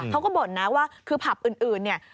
บ่นนะว่าคือผับอื่นเนี่ย